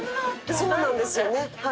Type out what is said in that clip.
そうなんですよ。